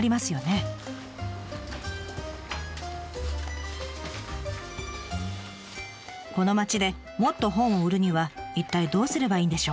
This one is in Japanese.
この町でもっと本を売るには一体どうすればいいんでしょうか？